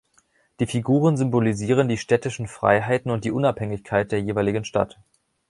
Die Figuren symbolisierten die städtischen Freiheiten und die Unabhängigkeit der jeweiligen Stadt.